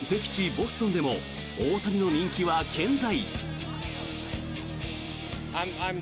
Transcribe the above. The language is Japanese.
ボストンでも大谷の人気は健在。